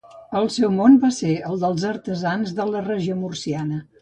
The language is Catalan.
El seu món va ser el dels artesans de la regió murciana.